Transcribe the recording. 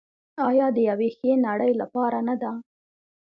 آیا د یوې ښې نړۍ لپاره نه ده؟